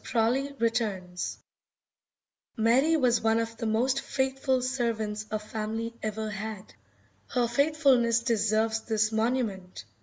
PRAWLEY RETURNS MARY was one of the most faithful servants a family ever had. Her faithfulness deserves this monument.